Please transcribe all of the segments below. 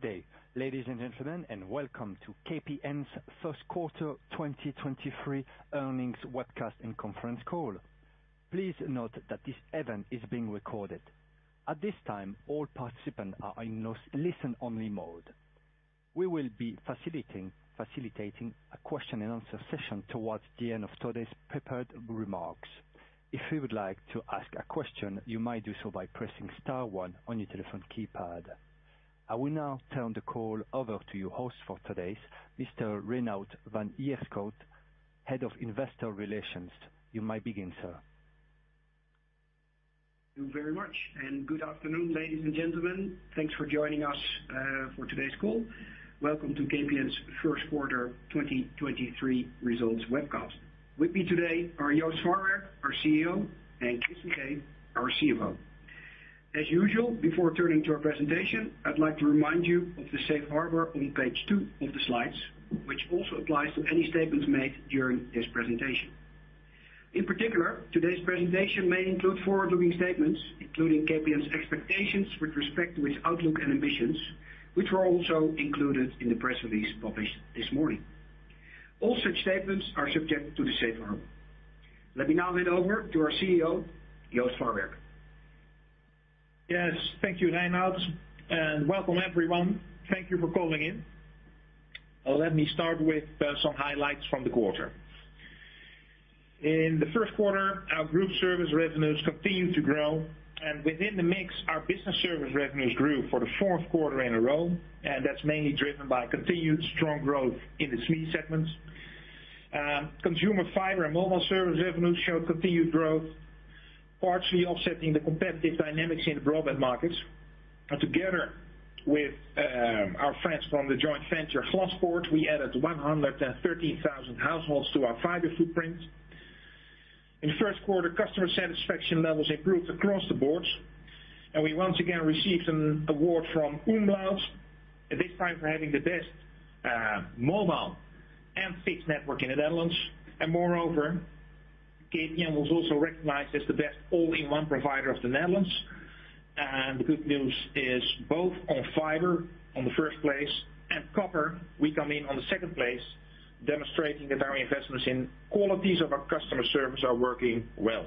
Good day, ladies and gentlemen, and welcome to KPN's first quarter 2023 earnings webcast and conference call. Please note that this event is being recorded. At this time, all participants are in listen-only mode. We will be facilitating a question-and-answer session towards the end of today's prepared remarks. If you would like to ask a question, you might do so by pressing star one on your telephone keypad. I will now turn the call over to your host for today, Mr. Reinout van Ierschot, Head of Investor Relations. You may begin, sir. Thank you very much. Good afternoon, ladies and gentlemen. Thanks for joining us for today's call. Welcome to KPN's first quarter 2023 results webcast. With me today are Joost Farwerck, our CEO, and Chris Figee, our CFO. As usual, before turning to our presentation, I'd like to remind you of the safe harbor on page two of the slides, which also applies to any statements made during this presentation. In particular, today's presentation may include forward-looking statements, including KPN's expectations with respect to its outlook and ambitions, which were also included in the press release published this morning. All such statements are subject to the safe harbor. Let me now hand over to our CEO, Joost Farwerck. Yes. Thank you, Reinout, and welcome everyone. Thank you for calling in. Let me start with some highlights from the quarter. In the first quarter, our group service revenues continued to grow, and within the mix, our business service revenues grew for the fourth quarter in a row, and that's mainly driven by continued strong growth in the SME segments. Consumer fiber and mobile service revenues show continued growth, partially offsetting the competitive dynamics in the broadband markets. Together with our friends from the joint venture Glaspoort, we added 113,000 households to our fiber footprint. In the first quarter, customer satisfaction levels improved across the boards, and we once again received an award from umlaut, this time for having the best mobile and fixed network in the Netherlands. Moreover, KPN was also recognized as the best all-in-one provider of the Netherlands. The good news is both on fiber on the first place and copper, we come in on the second place, demonstrating that our investments in qualities of our customer service are working well.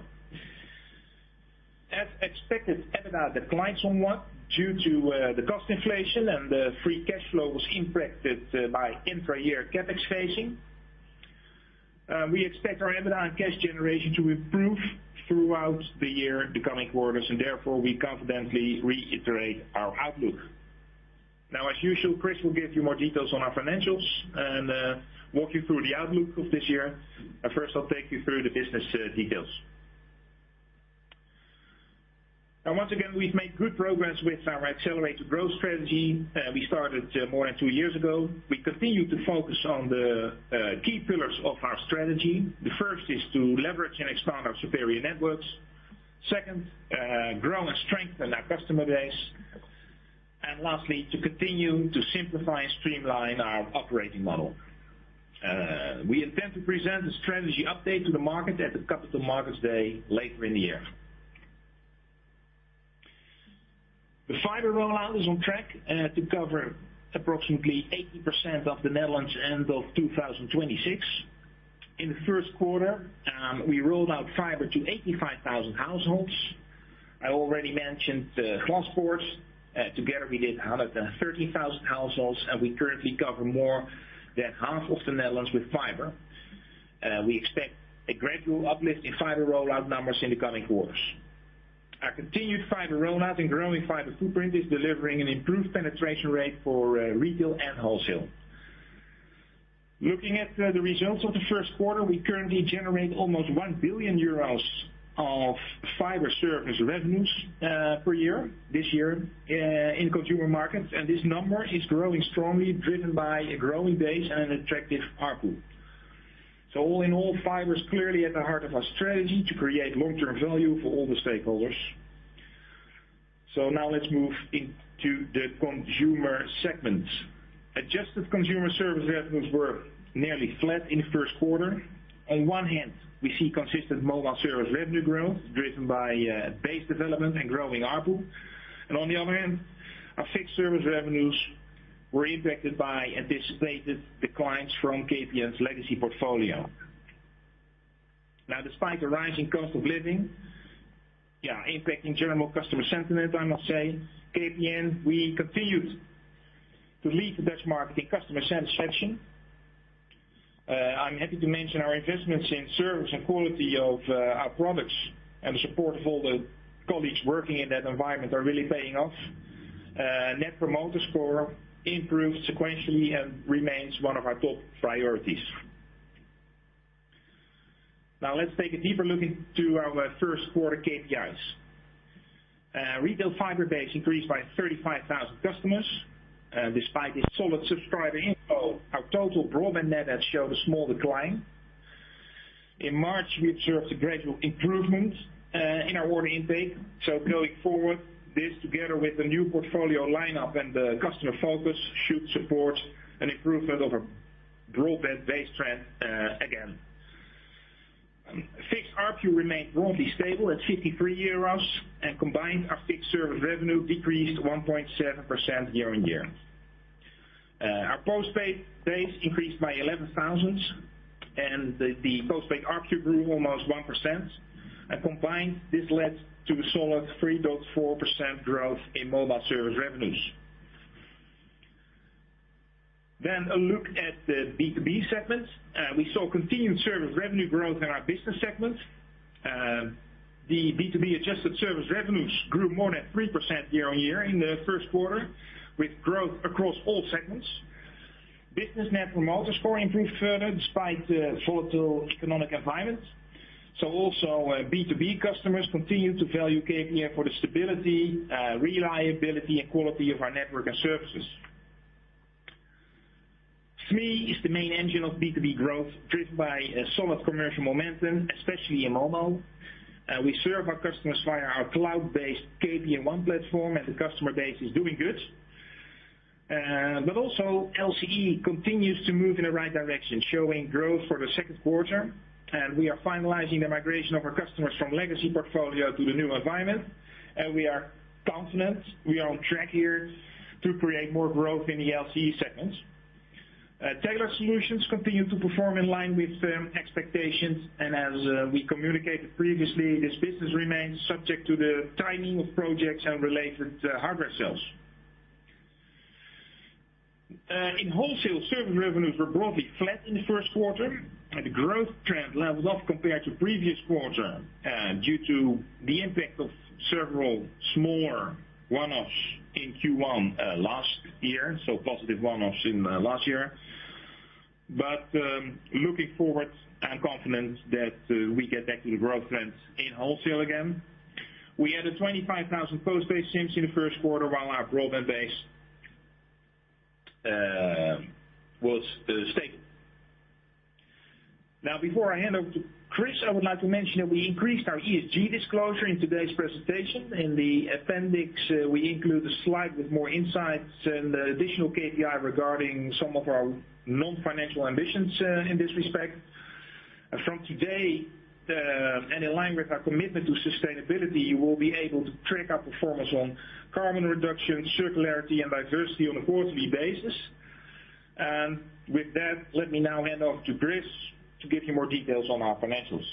As expected, EBITDA declined somewhat due to the cost inflation, and the free cash flow was impacted by intra-year CapEx phasing. We expect our EBITDA and cash generation to improve throughout the year, the coming quarters, and therefore, we confidently reiterate our outlook. As usual, Chris will give you more details on our financials and walk you through the outlook of this year. First, I'll take you through the business details. Once again, we've made good progress with our accelerated growth strategy, we started more than two years ago. We continue to focus on the key pillars of our strategy. The first is to leverage and expand our superior networks. Second, grow and strengthen our customer base. Lastly, to continue to simplify and streamline our operating model. We intend to present a strategy update to the market at the Capital Markets Day later in the year. The fiber rollout is on track to cover approximately 80% of the Netherlands end of 2026. In the first quarter, we rolled out fiber to 85,000 households. I already mentioned Glaspoort. Together, we did 130,000 households, and we currently cover more than half of the Netherlands with fiber. We expect a gradual uplift in fiber rollout numbers in the coming quarters. Our continued fiber rollout and growing fiber footprint is delivering an improved penetration rate for retail and wholesale. Looking at the results of the first quarter, we currently generate almost 1 billion euros of fiber service revenues per year, this year, in consumer markets. This number is growing strongly, driven by a growing base and an attractive ARPU. All in all, fiber is clearly at the heart of our strategy to create long-term value for all the stakeholders. Now let's move into the consumer segment. Adjusted consumer service revenues were nearly flat in the first quarter. On one hand, we see consistent mobile service revenue growth driven by base development and growing ARPU. On the other hand, our fixed service revenues were impacted by anticipated declines from KPN's legacy portfolio. Despite the rising cost of living, impacting general customer sentiment, I must say, KPN, we continued to lead the Dutch market in customer satisfaction. I'm happy to mention our investments in service and quality of our products and the support of all the colleagues working in that environment are really paying off. Net Promoter Score improved sequentially and remains one of our top priorities. Let's take a deeper look into our first quarter KPIs. Retail fiber base increased by 35,000 customers. Despite a solid subscriber info, our total broadband net has showed a small decline. In March, we observed a gradual improvement in our order intake. Going forward, this together with the new portfolio lineup and the customer focus should support an improvement of our Broadband base trend again. Fixed ARPU remained broadly stable at 53 euros, and combined our fixed service revenue decreased 1.7% year-on-year. Our postpaid base increased by 11,000, and the postpaid ARPU grew almost 1%. Combined, this led to a solid 3.4% growth in mobile service revenues. A look at the B2B segments. We saw continued service revenue growth in our business segments. The B2B adjusted service revenues grew more than 3% year-on-year in the first quarter, with growth across all segments. Business Net Promoter Score improved further despite the volatile economic environment. Also, B2B customers continued to value KPN for the stability, reliability, and quality of our network and services. SME is the main engine of B2B growth, driven by a solid commercial momentum, especially in OMO. We serve our customers via our cloud-based KPN EEN platform, the customer base is doing good. Also LCE continues to move in the right direction, showing growth for the second quarter. We are finalizing the migration of our customers from legacy portfolio to the new environment. We are confident we are on track here to create more growth in the LCE segments. Tailored Solutions continue to perform in line with expectations. As we communicated previously, this business remains subject to the timing of projects and related hardware sales. In wholesale, service revenues were broadly flat in the Q1, the growth trend leveled off compared to previous quarter due to the impact of several smaller one-offs in Q1 last year. Positive one-offs in last year. Looking forward, I'm confident that we get back to the growth trends in wholesale again. We added 25,000 postpaid SIMs in the first quarter, while our broadband base was stable. Before I hand over to Chris, I would like to mention that we increased our ESG disclosure in today's presentation. In the appendix, we include a slide with more insights and additional KPI regarding some of our non-financial ambitions in this respect. From today, and in line with our commitment to sustainability, you will be able to track our performance on carbon reduction, circularity, and diversity on a quarterly basis. Let me now hand off to Chris to give you more details on our financials.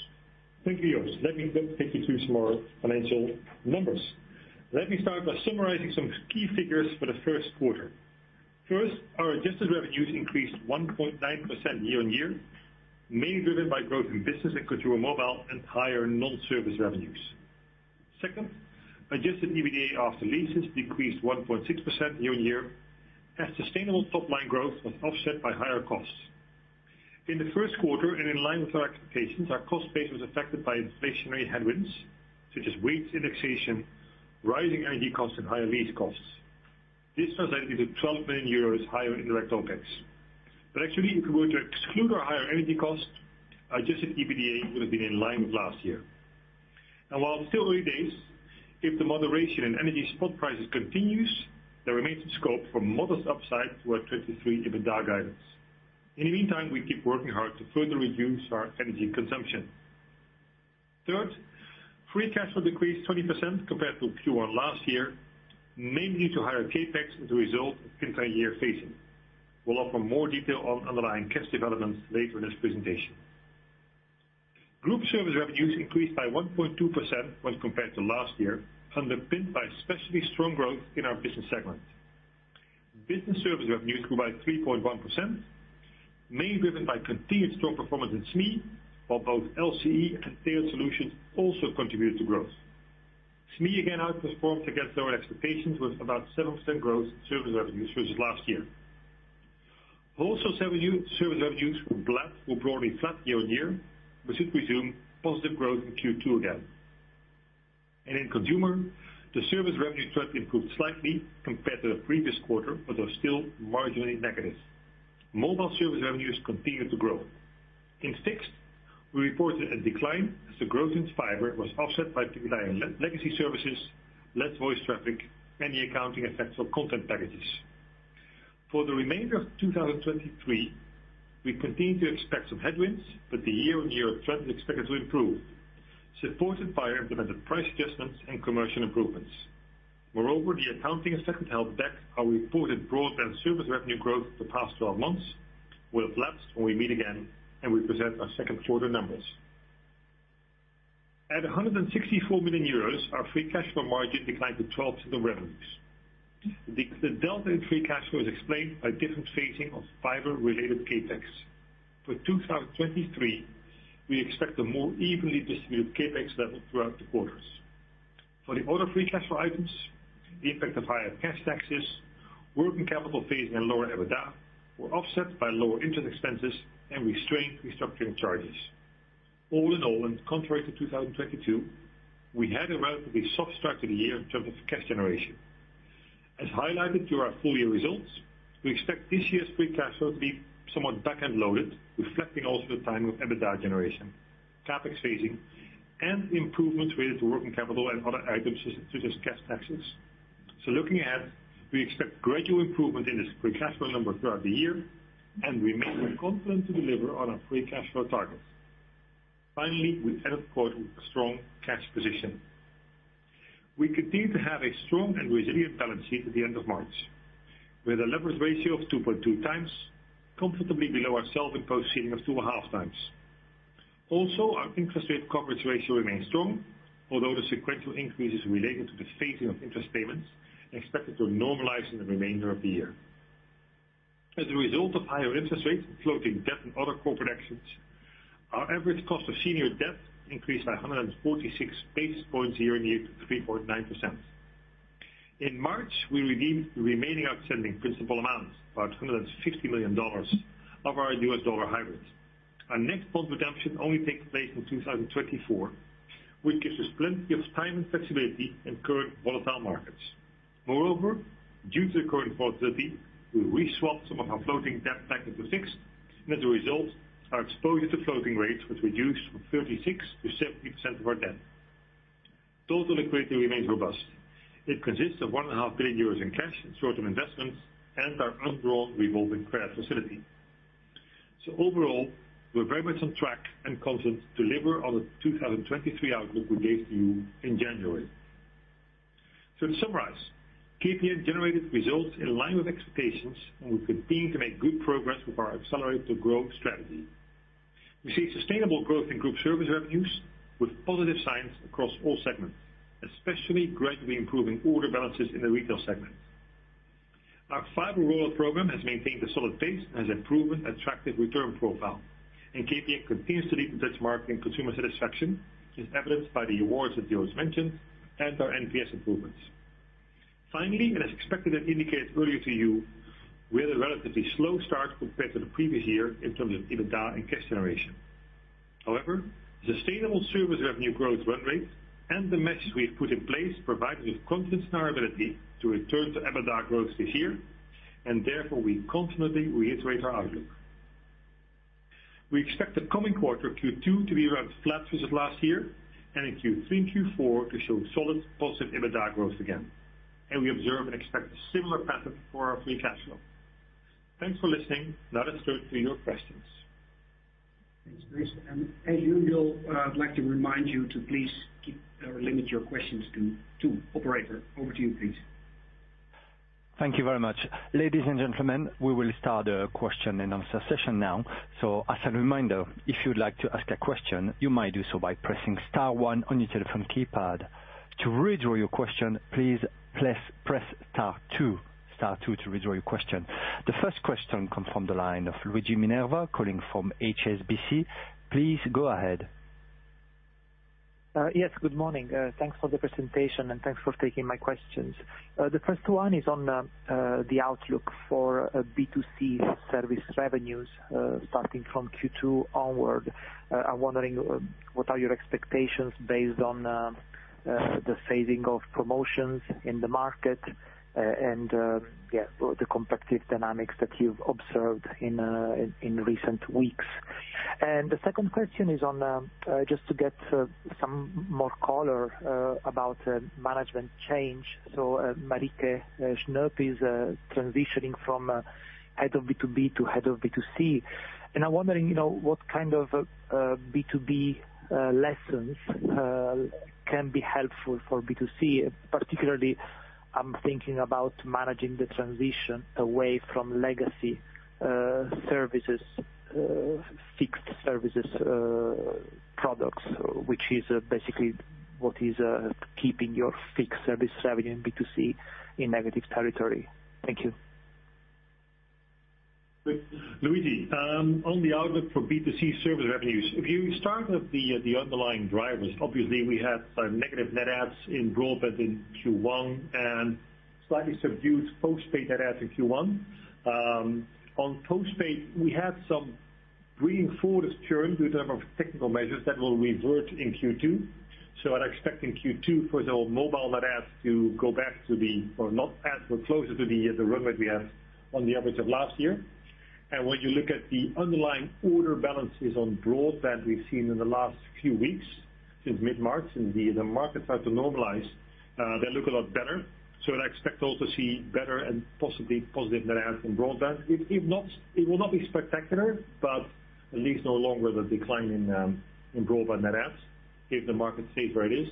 Thank you, Joost. Let me take you through some more financial numbers. Let me start by summarizing some key figures for the Q1. First, our adjusted revenues increased 1.9% year-on-year, mainly driven by growth in business and consumer mobile and higher non-service revenues. Second, adjusted EBITDA after leases decreased 1.6% year-on-year as sustainable top-line growth was offset by higher costs. In the first quarter and in line with our expectations, our cost base was affected by inflationary headwinds such as wage indexation, rising energy costs, and higher lease costs. This translated to 12 million euros higher in direct OpEx. Actually, if we were to exclude our higher energy cost, adjusted EBITDA would have been in line with last year. While it's still early days, if the moderation in energy spot prices continues, there remains a scope for modest upside to our 2023 EBITDA guidance. In the meantime, we keep working hard to further reduce our energy consumption. Third, free cash flow decreased 20% compared to Q1 last year, mainly to higher CapEx as a result of inter-year phasing. We'll offer more detail on underlying cash developments later in this presentation. Group service revenues increased by 1.2% when compared to last year, underpinned by especially strong growth in our business segment. Business service revenues grew by 3.1%, mainly driven by continued strong performance in SME, while both LCE and Tailored Solutions also contributed to growth. SME again outperformed against our expectations with about 7% growth in service revenues versus last year. Wholesale service revenues were broadly flat year-on-year. We should resume positive growth in Q2 again. In consumer, the service revenue trend improved slightly compared to the previous quarter, but are still marginally negative. Mobile service revenues continued to grow. In fixed, we reported a decline as the growth in fiber was offset by declining legacy services, less voice traffic, and the accounting effects of content packages. For the remainder of 2023, we continue to expect some headwinds, but the year-on-year trend is expected to improve, supported by implemented price adjustments and commercial improvements. Moreover, the accounting effect that held back our reported broadband service revenue growth for the past 12 months will have lapsed when we meet again and we present our 2nd quarter numbers. At 164 million euros, our free cash flow margin declined to 12% revenues. The delta in free cash flow is explained by different phasing of fiber-related CapEx. For 2023, we expect a more evenly distributed CapEx level throughout the quarters. For the other free cash flow items, the impact of higher cash taxes, working capital phasing and lower EBITDA were offset by lower interest expenses and restrained restructuring charges. All in all, and contrary to 2022, we had a relatively soft start to the year in terms of cash generation. As highlighted through our full year results, we expect this year's free cash flow to be somewhat back-end loaded, reflecting also the timing of EBITDA generation, CapEx phasing, and improvements related to working capital and other items such as cash taxes. Looking ahead, we expect gradual improvement in this free cash flow number throughout the year, and we remain confident to deliver on our free cash flow targets. Finally, we end the quarter with a strong cash position. We continue to have a strong and resilient balance sheet at the end of March, with a leverage ratio of 2.2 times comfortably below our self-imposed ceiling of 2.5 times. Also, our interest rate coverage ratio remains strong. Although the sequential increase is related to the phasing of interest payments expected to normalize in the remainder of the year. As a result of higher interest rates, floating debt, and other corporate actions, our average cost of senior debt increased by 146 basis points year and a year to 3.9%. In March, we redeemed the remaining outstanding principal amounts about $260 million of our US dollar hybrids. Our next bond redemption only takes place in 2024, which gives us plenty of time and flexibility in current volatile markets. Moreover, due to the current volatility, we re-swapped some of our floating debt back into fixed. As a result, our exposure to floating rates was reduced from 36%-70% of our debt. Total liquidity remains robust. It consists of 1.5 billion euros in cash and short-term investments and our undrawn revolving credit facility. Overall, we're very much on track and confident to deliver on the 2023 outlook we gave to you in January. To summarize, KPN generated results in line with expectations, and we continue to make good progress with our accelerated growth strategy. We see sustainable growth in group service revenues with positive signs across all segments, especially gradually improving order balances in the retail segment. KPN continues to lead the Dutch market in consumer satisfaction, which is evidenced by the awards that Joost mentioned and our NPS improvements. Finally, as expected, I indicated earlier to you, we had a relatively slow start compared to the previous year in terms of EBITDA and cash generation. However, sustainable service revenue growth run rates and the measures we've put in place provide us with confidence in our ability to return to EBITDA growth this year, and therefore, we confidently reiterate our outlook. We expect the coming quarter Q2 to be around flat versus last year and in Q3 and Q4 to show solid positive EBITDA growth again. We observe and expect a similar pattern for our free cash flow. Thanks for listening. Now let's turn to your questions. Thanks, Chris. As usual, I'd like to remind you to please keep or limit your questions to two. Operator, over to you, please. Thank you very much. Ladies and gentlemen, we will start the question and answer session now. As a reminder, if you'd like to ask a question, you might do so by pressing star one on your telephone keypad. To withdraw your question, please press star two to withdraw your question. The first question comes from the line of Luigi Minerva, calling from HSBC. Please go ahead. Yes, good morning. Thanks for the presentation, and thanks for taking my questions. The first one is on the outlook for B2C service revenues, starting from Q2 onward. I'm wondering what are your expectations based on the phasing of promotions in the market, and, yeah, the competitive dynamics that you've observed in recent weeks. The second question is on just to get some more color about management change. Marieke Snoep is transitioning from head of B2B to head of B2C, and I'm wondering, you know, what kind of B2B lessons can be helpful for B2C. Particularly, I'm thinking about managing the transition away from legacy services, fixed services, products, which is basically what is keeping your fixed service revenue in B2C in negative territory. Thank you. Luigi, on the outlook for B2C service revenues. If you start with the underlying drivers, obviously we have some negative net adds in broadband in Q1 and slightly subdued postpaid net adds in Q1. On postpaid, we have some bringing forward this churn due to a number of technical measures that will revert in Q2. I'd expect in Q2 for the mobile net adds to go back to the or not as, but closer to the run rate we have on the average of last year. When you look at the underlying order balances on broadband, we've seen in the last few weeks since mid-March, and the market starts to normalize, they look a lot better. I'd expect also to see better and possibly positive net adds in broadband. If not, it will not be spectacular, but at least no longer the decline in broadband net adds if the market stays where it is.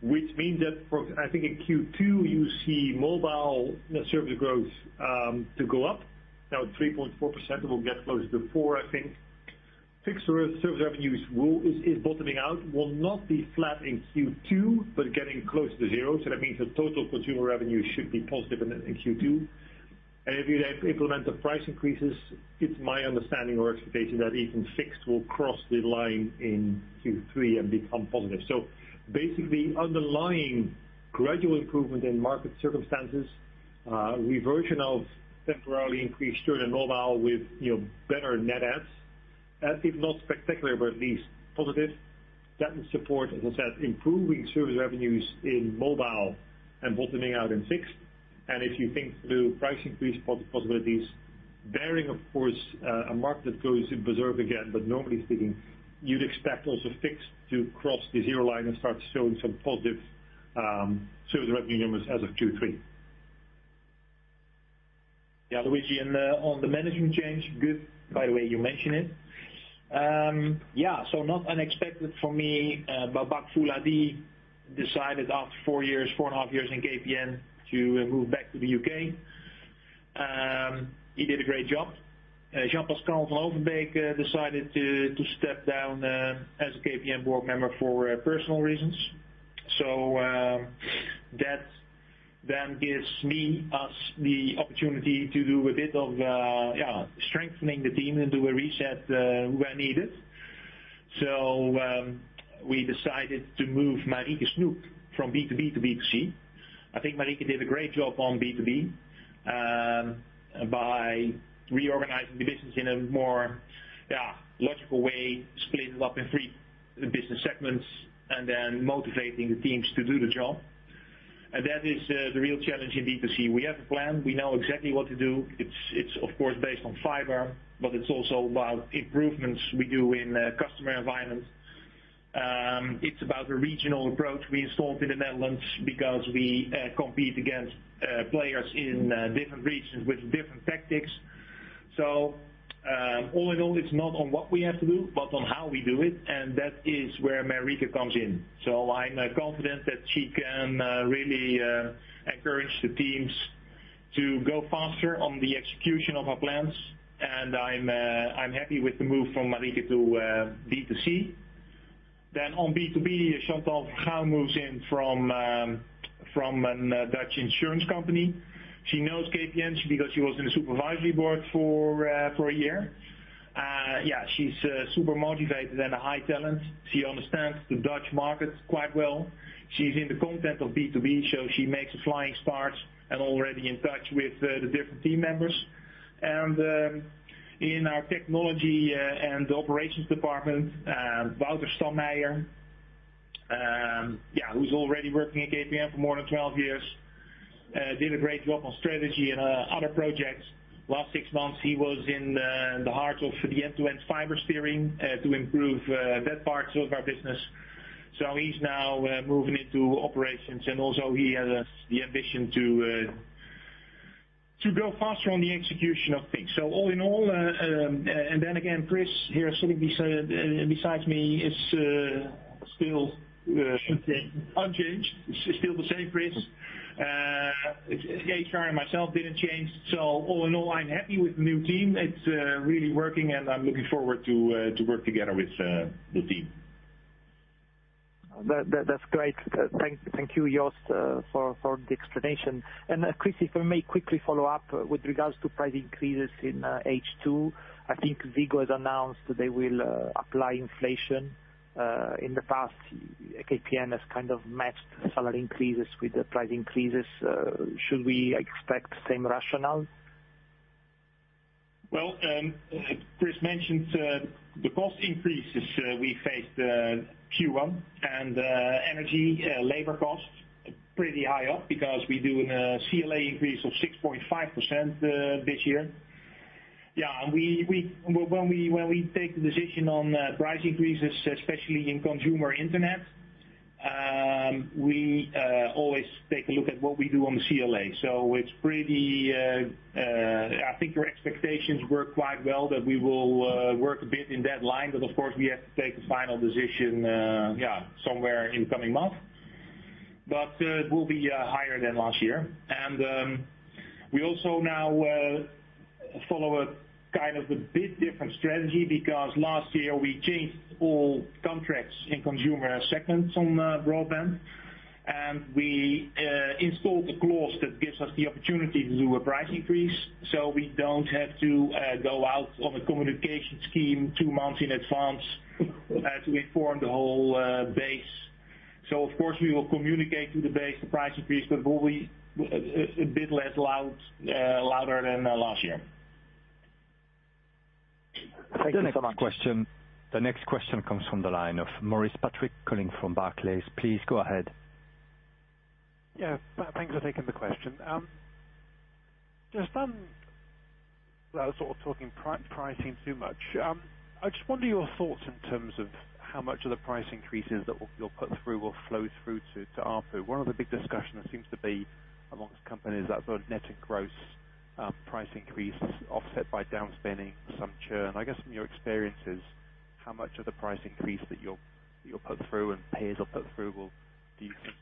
Which means that for, I think in Q2, you see mobile service growth to go up. Now at 3.4%, it will get closer to 4, I think. Fixed service revenues is bottoming out, will not be flat in Q2, but getting close to 0. That means the total consumer revenue should be positive in Q2. If you implement the price increases, it's my understanding or expectation that even fixed will cross the line in Q3 and become positive. Basically underlying gradual improvement in market circumstances, reversion of temporarily increased churn in mobile with, you know, better net adds, if not spectacular, but at least positive. That will support, as I said, improving service revenues in mobile and bottoming out in fixed. If you think through price increase possibilities. Barring of course, a market that goes berserk again, normally speaking, you'd expect also fixed to cross the zero line and start showing some positive, service revenue numbers as of 2023. Yeah, Luigi, on the management change. Good by the way you mention it. Yeah, not unexpected for me, Babak Fouladi decided after 4 years, 4.5 years in KPN to move back to the UK. He did a great job. Jean-Pascal van Overbeke decided to step down as a KPN board member for personal reasons. That then gives me, us the opportunity to do a bit of, yeah, strengthening the team and do a reset where needed. We decided to move Marieke Snoep from B2B to B2C. I think Marieke did a great job on B2B, by reorganizing the business in a more, yeah, logical way, splitting it up in three business segments and then motivating the teams to do the job. That is the real challenge in B2C. We have a plan. We know exactly what to do. It's of course based on fiber, but it's also about improvements we do in the customer environment. It's about a regional approach we installed in the Netherlands because we compete against players in different regions with different tactics. All in all, it's not on what we have to do, but on how we do it, and that is where Marieke comes in. I'm confident that she can really encourage the teams to go faster on the execution of our plans. I'm happy with the move from Marieke to B2C. On B2B, Chantal Vergouw moves in from a Dutch insurance company. She knows KPN because she was in the supervisory board for a year. She's super motivated and a high talent. She understands the Dutch market quite well. She's in the content of B2B, so she makes a flying start and already in touch with the different team members. In our technology and operations department, Wouter Stammeijer, who's already working in KPN for more than 12 years, did a great job on strategy and other projects. Last 6 months, he was in the heart of the end-to-end fiber steering to improve that part of our business. He's now moving into operations, and also he has the ambition to go faster on the execution of things. All in all, and then again, Chris here sitting beside me is still unchanged. It's still the same Chris. HR and myself didn't change. All in all, I'm happy with the new team. It's really working, and I'm looking forward to work together with the team. That's great. Thank you, Joost, for the explanation. Chris, if I may quickly follow up with regards to price increases in H2. I think Ziggo has announced they will apply inflation. In the past, KPN has kind of matched salary increases with the price increases. Should we expect same rationale? Chris mentioned the cost increases we faced Q1 and energy, labor costs pretty high up because we do an CLA increase of 6.5% this year. When we take the decision on price increases, especially in consumer internet, we always take a look at what we do on the CLA. It's pretty, I think your expectations work quite well that we will work a bit in that line. Of course, we have to take a final decision somewhere in coming months. It will be higher than last year. We also now follow a kind of a bit different strategy because last year we changed all contracts in consumer segments on broadband. We installed a clause that gives us the opportunity to do a price increase. We don't have to go out on a communication scheme 2 months in advance to inform the whole base. Of course, we will communicate to the base the price increase, but we'll be a bit less loud, louder than last year. Thank you so much. The next question comes from the line of Maurice Patrick calling from Barclays. Please go ahead. Yeah. Thanks for taking the question. Just without sort of talking pricing too much, I just wonder your thoughts in terms of how much of the price increases that you'll put through will flow through to ARPU. One of the big discussions seems to be amongst companies that net and gross price increase is offset by down spending some churn. I guess from your experiences, how much of the price increase that you'll put through and payers will put through will do you think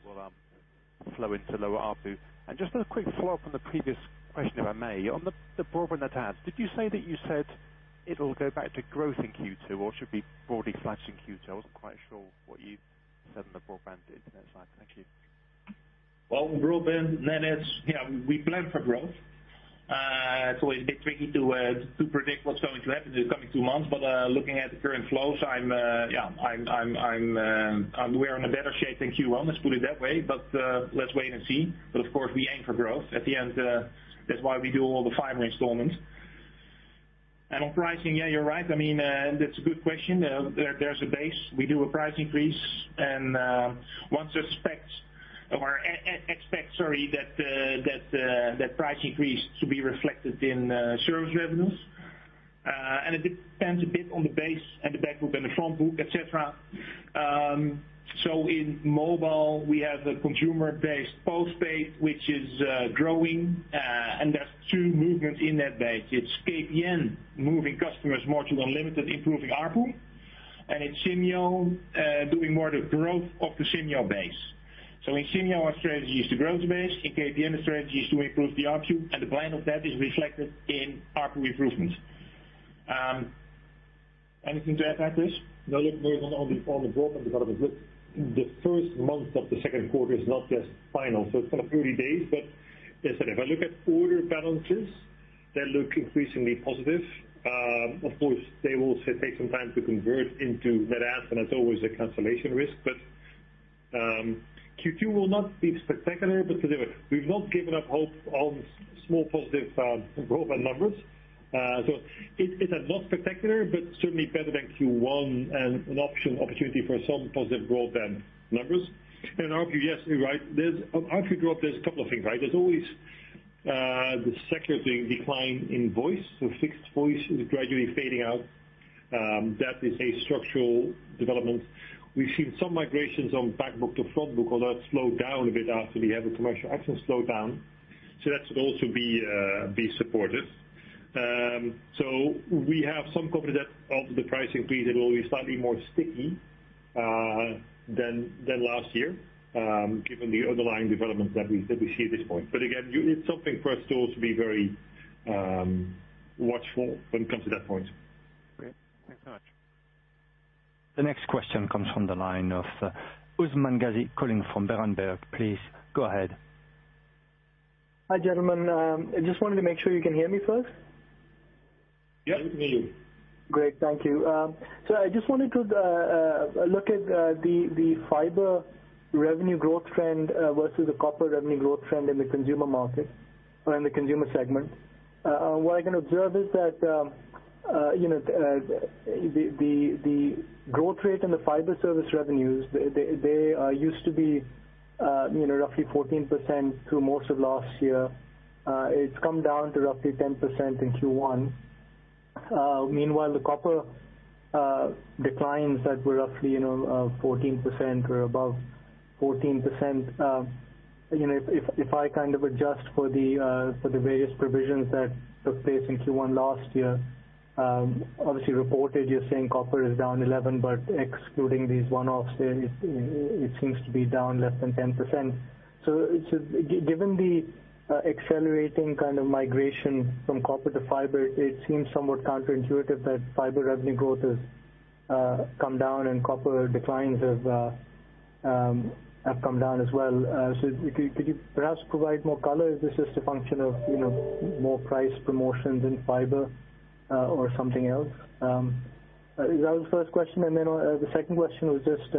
flow into lower ARPU? Just a quick follow-up on the previous question, if I may. On the broadband add, did you say that you said it'll go back to growth in Q2 or should be broadly flat in Q2? I wasn't quite sure what you said on the broadband bit. Thank you. Well, broadband net adds, yeah, we plan for growth. It's always a bit tricky to predict what's going to happen in the coming two months. Looking at the current flows, we're in a better shape than Q1, let's put it that way. Let's wait and see. Of course, we aim for growth. At the end, that's why we do all the fiber installments. On pricing, yeah, you're right. I mean, that's a good question. There's a base. We do a price increase and one suspects or expect, sorry, that price increase to be reflected in service revenues. It depends a bit on the base and the backbook and the frontbook, et cetera. In mobile, we have a consumer-based postpaid, which is growing. There's two movements in that base. It's KPN moving customers more to unlimited, improving ARPU, and it's Simyo doing more the growth of the Simyo base. In Simyo, our strategy is to grow the base. In KPN, the strategy is to improve the ARPU, and the plan of that is reflected in ARPU improvements. Anything to add to that, Chris? No, look, on the broadband development. Look, the first month of the second quarter is not yet final, so it's kind of 30 days. As I said, if I look at order balances, they look increasingly positive. Of course, they will take some time to convert into net adds and there's always a cancellation risk. Q2 will not be spectacular, but put it this way, we've not given up hope on small positive broadband numbers. It is not spectacular, but certainly better than Q1 and an option, opportunity for some positive broadband numbers. ARPU, yes, you're right. On ARPU drop, there's a couple of things, right? There's always the secular decline in voice. Fixed voice is gradually fading out. That is a structural development. We've seen some migrations on backbook to frontbook. That slowed down a bit after we had the commercial action slowdown. That should also be supportive. We have some confidence that after the price increase, it will be slightly more sticky than last year, given the underlying developments that we see at this point. Again, it's something for us to also be very watchful when it comes to that point. Great. Thanks so much. The next question comes from the line of Usman Ghazi calling from Berenberg. Please go ahead. Hi, gentlemen. I just wanted to make sure you can hear me first. Yep. We can hear you. Great. Thank you. I just wanted to look at the fiber revenue growth trend versus the copper revenue growth trend in the consumer market or in the consumer segment. What I can observe is that, you know, the growth rate in the fiber service revenues, they used to be, you know, roughly 14% through most of last year. It's come down to roughly 10% in Q1. Meanwhile, the copper declines that were roughly, you know, 14% or above 14%. You know, if I kind of adjust for the various provisions that took place in Q1 last year, obviously reported, you're saying copper is down 11, but excluding these one-offs there, it seems to be down less than 10%. Given the accelerating kind of migration from copper to fiber, it seems somewhat counterintuitive that fiber revenue growth has come down and copper declines have come down as well. Could you perhaps provide more color if this is a function of, you know, more price promotions in fiber, or something else? That was the first question. The second question was just,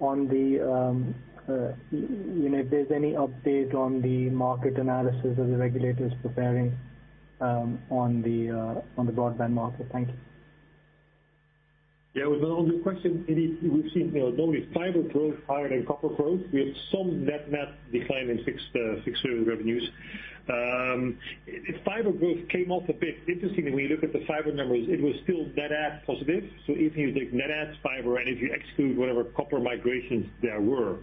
on the, you know, if there's any update on the market analysis that the regulator is preparing, on the, on the broadband market. Thank you. Yeah. Well, on the question, indeed, we've seen, you know, normally fiber growth higher than copper growth. We have some net decline in fixed fixed revenues. Fiber growth came off a bit. Interestingly, when you look at the fiber numbers, it was still net add positive. If you take net adds fiber and if you exclude whatever copper migrations there were,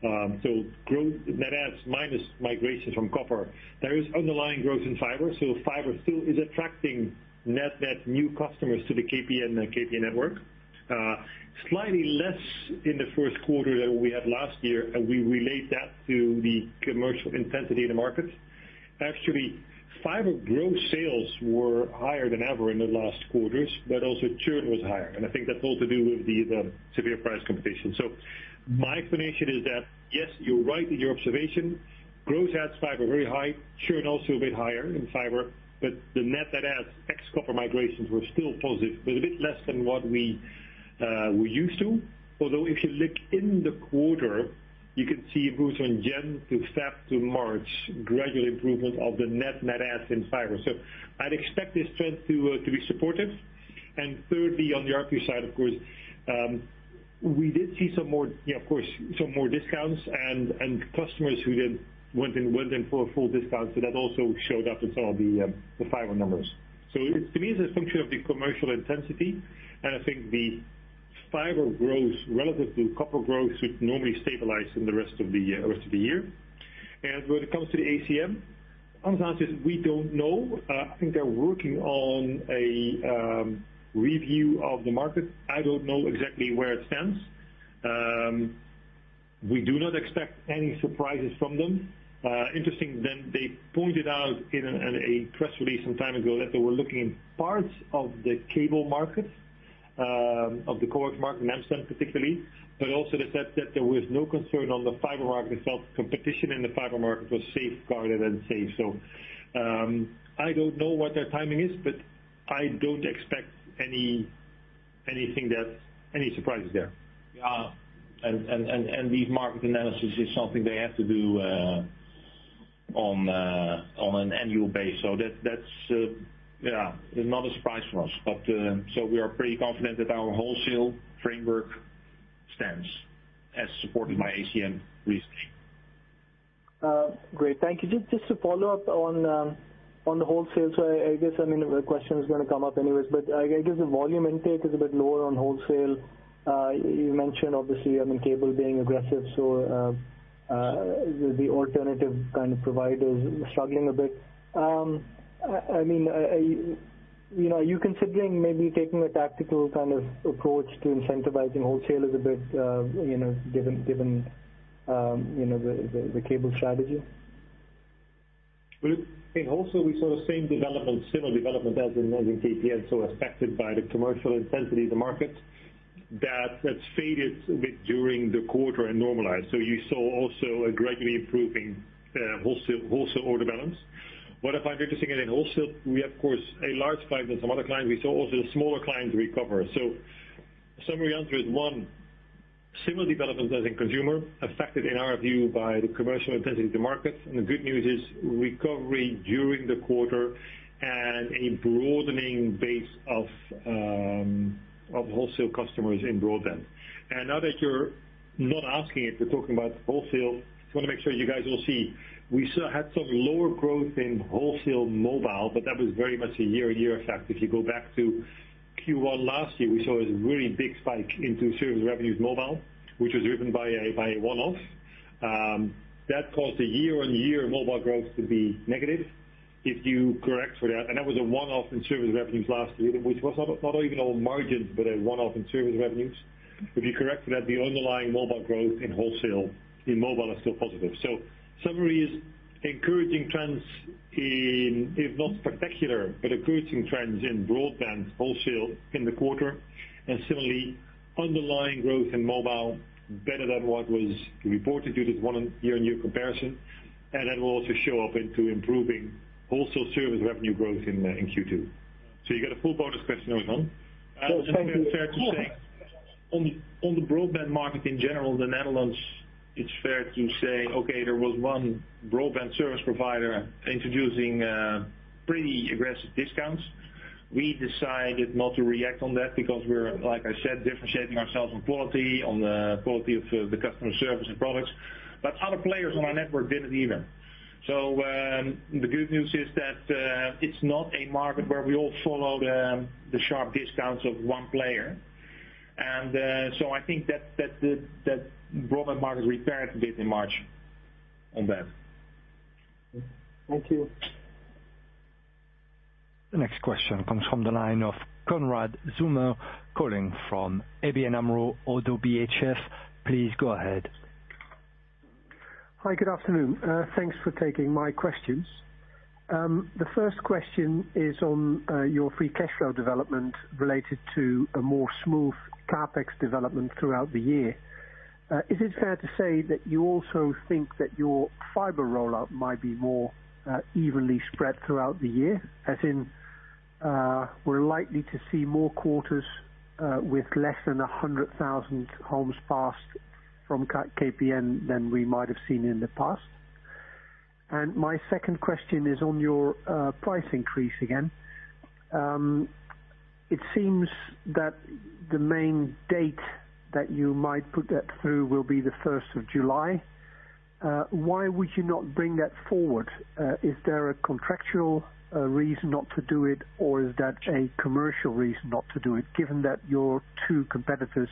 growth net adds minus migrations from copper. There is underlying growth in fiber still is attracting net new customers to the KPN KPN network. Slightly less in the first quarter than we had last year, we relate that to the commercial intensity in the market. Actually, fiber gross sales were higher than ever in the last quarters, but also churn was higher. I think that's all to do with the severe price competition. My explanation is that, yes, you're right in your observation. Gross adds fiber very high, churn also a bit higher in fiber, but the net adds ex copper migrations were still positive, but a bit less than what we're used to. Although if you look in the quarter, you can see it moves from January to February to March, gradual improvement of the net adds in fiber. I'd expect this trend to be supportive. Thirdly, on the ARPU side, of course, we did see some more, you know, of course, some more discounts and customers who then went in for a full discount. That also showed up in some of the fiber numbers. To me, it's a function of the commercial intensity. I think the fiber growth relative to copper growth should normally stabilize in the rest of the rest of the year. When it comes to the ACM, honest answer is we don't know. I think they're working on a review of the market. I don't know exactly where it stands. We do not expect any surprises from them. Interesting, they pointed out in a press release some time ago that they were looking in parts of the cable market, of the coax market, in Amsterdam particularly. Also they said that there was no concern on the fiber market itself. Competition in the fiber market was safeguarded and safe. I don't know what their timing is, but I don't expect anything that's any surprises there. Yeah. The market analysis is something they have to do. On an annual basis. That's, yeah, not a surprise for us. We are pretty confident that our wholesale framework stands as supported by ACM recently. Great. Thank you. Just to follow up on the wholesale. I guess, I mean, the question is gonna come up anyways, but I guess the volume intake is a bit lower on wholesale. You mentioned obviously, I mean, cable being aggressive, so the alternative kind of providers struggling a bit. I mean, you know, are you considering maybe taking a tactical kind of approach to incentivizing wholesalers a bit, you know, given, you know, the, the cable strategy? In wholesale, we saw the same development, similar development as in KPN, affected by the commercial intensity of the market that has faded a bit during the quarter and normalized. You saw also a greatly improving wholesale order balance. What I find interesting, in wholesale, we of course, a large client and some other clients, we saw also the smaller clients recover. Summary answer is one, similar development as in consumer, affected in our view by the commercial intensity of the market. The good news is recovery during the quarter and a broadening base of wholesale customers in broadband. Now that you're not asking it, we're talking about wholesale. Just wanna make sure you guys will see. Had some lower growth in wholesale mobile, but that was very much a year-on-year effect. If you go back to Q1 last year, we saw a really big spike into service revenues mobile, which was driven by a one-off, that caused a year-on-year mobile growth to be negative. If you correct for that, and that was a one-off in service revenues last year, which was not even on margins, but a one-off in service revenues. If you correct for that, the underlying mobile growth in wholesale in mobile are still positive. Summary is encouraging trends in, if not spectacular, but encouraging trends in broadband wholesale in the quarter and similarly underlying growth in mobile better than what was reported due to this one-year-on-year comparison. That will also show up into improving wholesale service revenue growth in Q2. You get a full bonus question there, Usman. Thank you. Is it fair to say on the broadband market in general, the Netherlands, it's fair to say, okay, there was one broadband service provider introducing pretty aggressive discounts. We decided not to react on that because we're, like I said, differentiating ourselves on quality, on the quality of the customer service and products. Other players on our network didn't either. The good news is that it's not a market where we all follow the sharp discounts of one player. I think that the broadband market repaired a bit in March on them. Thank you. The next question comes from the line of Konrad Zomer calling from ABN AMRO ODDO BHF. Please go ahead. Hi, good afternoon. Thanks for taking my questions. The first question is on your free cash flow development related to a more smooth CapEx development throughout the year. Is it fair to say that you also think that your fiber rollout might be more evenly spread throughout the year, as in, we're likely to see more quarters with less than 100,000 homes passed from KPN than we might have seen in the past? My second question is on your price increase again. It seems that the main date that you might put that through will be the first of July. Why would you not bring that forward? Is there a contractual reason not to do it, or is that a commercial reason not to do it, given that your two competitors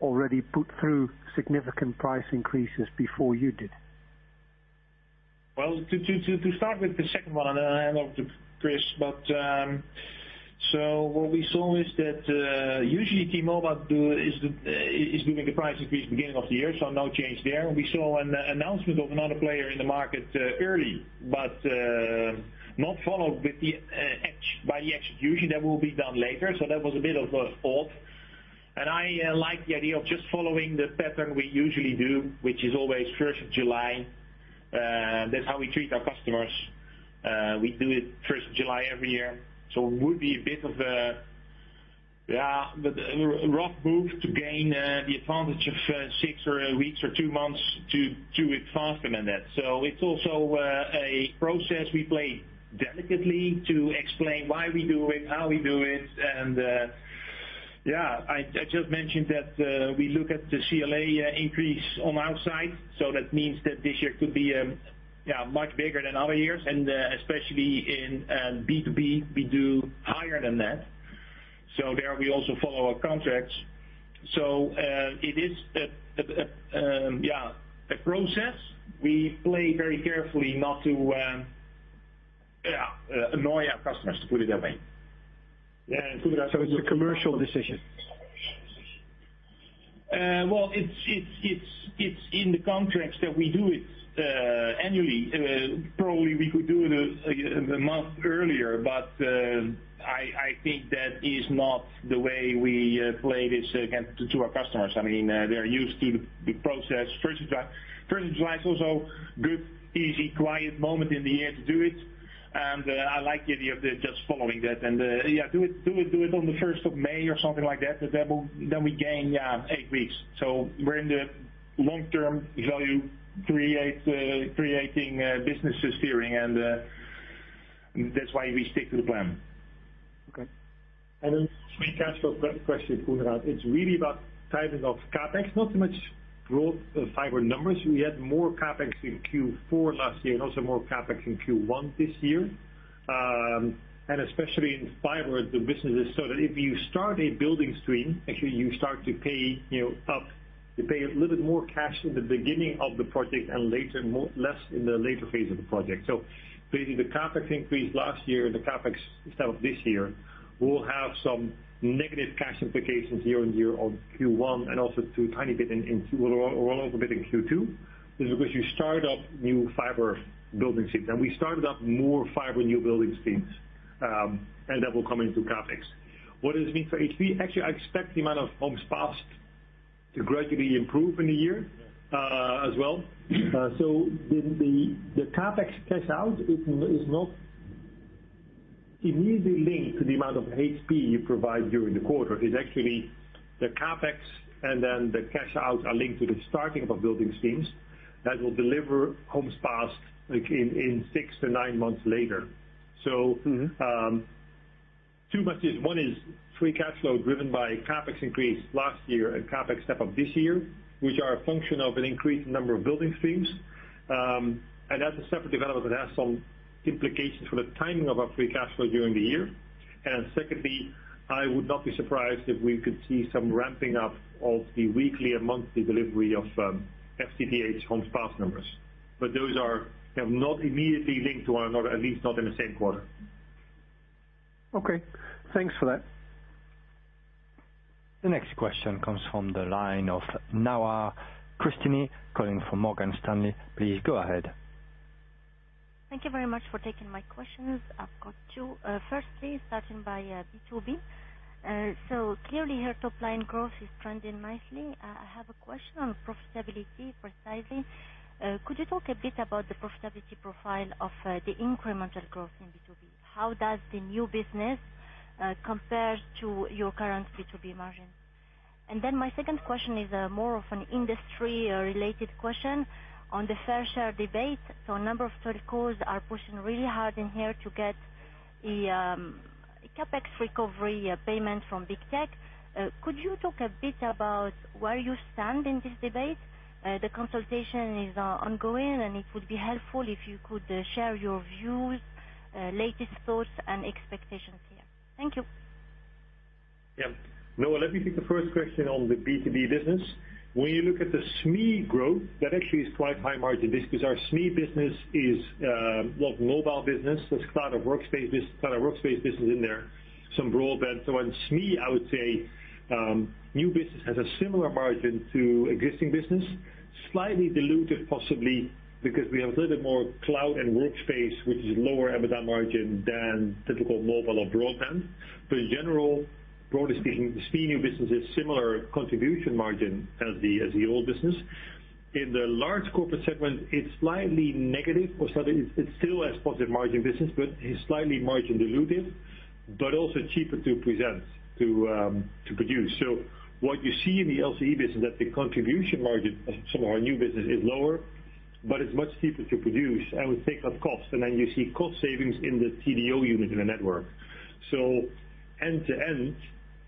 already put through significant price increases before you did? To start with the second one, I'll hand off to Chris. What we saw is that usually T-Mobile is doing the price increase beginning of the year, no change there. We saw an announcement of another player in the market early, not followed with the execution that will be done later. That was a bit of a fault. I like the idea of just following the pattern we usually do, which is always first of July. That's how we treat our customers. We do it first of July every year. It would be a bit of a rough move to gain the advantage of six or weeks or two months to it faster than that. It's also a process we play delicately to explain why we do it, how we do it. I just mentioned that we look at the CLA increase on our side, that means that this year could be much bigger than other years. Especially in B2B, we do higher than that. There we also follow our contracts. It is a process we play very carefully not to annoy our customers, to put it that way. Yeah. It's a commercial decision? Well, it's in the contracts that we do it annually. Probably we could do it a month earlier, but I think that is not the way we play this kind to our customers. I mean, they're used to the process. 1st of July is also good, easy, quiet moment in the year to do it. I like the idea of just following that and do it on the 1st of May or something like that. Then we gain 8 weeks. We're in the long-term value create, creating, business steering and that's why we stick to the plan. Okay. Free cash flow question, Konrad Zomer. It's really about timing of CapEx, not so much growth of fiber numbers. We had more CapEx in Q4 last year and also more CapEx in Q1 this year. Especially in fiber, the business is so that if you start a building stream, actually you start to pay, you know, up. You pay a little bit more cash in the beginning of the project and later less in the later phase of the project. Basically, the CapEx increase last year and the CapEx step of this year will have some negative cash implications year-over-year on Q1 and also to a tiny bit or a little bit in Q2. This is because you start up new fiber building seats. We started up more fiber new building streams, and that will come into CapEx. What does it mean for HP? Actually, I expect the amount of homes passed to gradually improve in a year as well. The CapEx cash out is not immediately linked to the amount of HP you provide during the quarter. It's actually the CapEx and then the cash out are linked to the starting of building streams that will deliver homes passed like in 6-9 months later. Two messages. One is free cash flow driven by CapEx increase last year and CapEx step up this year, which are a function of an increased number of building streams. That's a separate development that has some implications for the timing of our free cash flow during the year. Secondly, I would not be surprised if we could see some ramping up of the weekly and monthly delivery of FTTH homes passed numbers. Those are, you know, not immediately linked to one another, at least not in the same quarter. Okay, thanks for that. The next question comes from the line of Nawar Cristini, calling from Morgan Stanley. Please go ahead. Thank you very much for taking my questions. I've got two. Firstly, starting by B2B. Clearly your top line growth is trending nicely. I have a question on profitability precisely. Could you talk a bit about the profitability profile of the incremental growth in B2B? How does the new business compare to your current B2B margin? My second question is more of an industry related question on the fair share debate. A number of telcos are pushing really hard in here to get a CapEx recovery payment from big tech. Could you talk a bit about where you stand in this debate? The consultation is ongoing, and it would be helpful if you could share your views, latest thoughts and expectations here. Thank you. Yeah. Nawar, let me take the first question on the B2B business. When you look at the SME growth, that actually is quite high margin business because our SME business is, well, mobile business. There's cloud and workspace business in there, some broadband. On SME, I would say, new business has a similar margin to existing business, slightly diluted, possibly because we have a little bit more cloud and workspace, which is lower EBITDA margin than typical mobile or broadband. In general, broadly speaking, the SME new business is similar contribution margin as the old business. In the large corporate segment, it's slightly negative or so that it's still a positive margin business, but is slightly margin dilutive, but also cheaper to present to produce. What you see in the LCE business that the contribution margin of some of our new business is lower, but it's much cheaper to produce and we take out costs. You see cost savings in the TDO unit in the network. End to end,